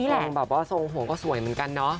พรุ่งตรงวงก็สวยเหมือนกันเนอะ